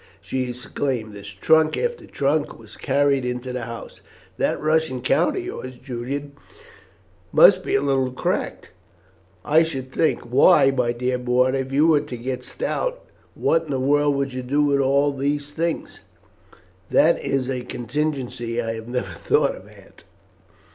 she exclaimed, as trunk after trunk was carried into the house. "That Russian count of yours, Julian, must be a little cracked, I should think. Why, my dear boy, if you were to get stout what in the world would you do with all these things?" "That is a contingency I have never thought of, Aunt.